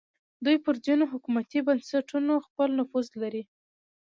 دوی پر ځینو حکومتي بنسټونو خپل نفوذ لري